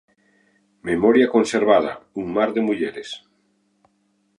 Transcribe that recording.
'Memoria conservada: un mar de mulleres'.